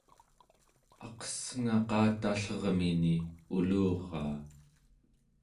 aqessngaqatallermini uluraa